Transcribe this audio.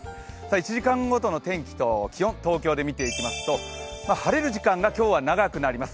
１時間ごとの天気と気温東京で見ていくと晴れる時間が今日は長くなります。